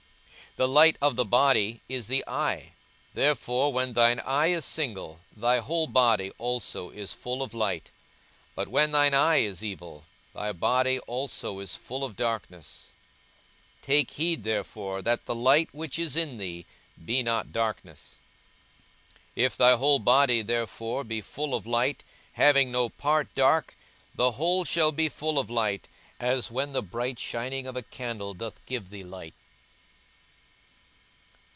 42:011:034 The light of the body is the eye: therefore when thine eye is single, thy whole body also is full of light; but when thine eye is evil, thy body also is full of darkness. 42:011:035 Take heed therefore that the light which is in thee be not darkness. 42:011:036 If thy whole body therefore be full of light, having no part dark, the whole shall be full of light, as when the bright shining of a candle doth give thee light.